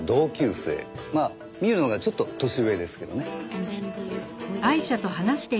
まあミウのほうがちょっと年上ですけどね。